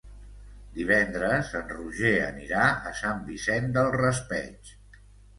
Divendres en Roger anirà a Sant Vicent del Raspeig.